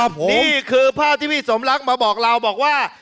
นี่คือภาพที่พี่สมรักมาบอกเราบอกว่า